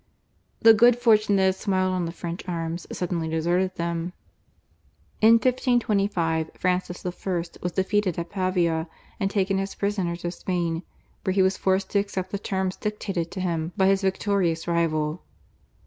The good fortune that had smiled on the French arms suddenly deserted them. In 1525 Francis I. was defeated at Pavia and taken as prisoner to Spain, where he was forced to accept the terms dictated to him by his victorious rival.